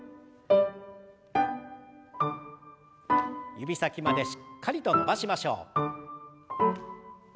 指先までしっかりと伸ばしましょう。